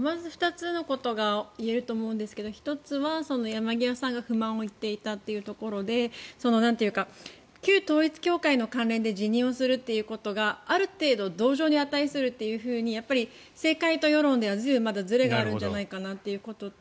まず２つのことが言えると思うんですけど１つは山際さんが不満を言っていたというところで旧統一教会の関連で辞任をするということがある程度、同情に値するって政界と世論では随分ずれがあるんじゃないかなというところと。